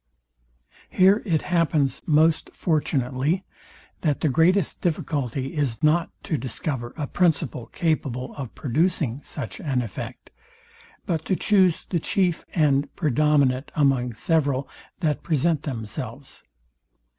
Here it happens most fortunately, that the greatest difficulty is not to discover a principle capable of producing such an effect, but to choose the chief and predominant among several, that present themselves.